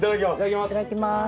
いただきます。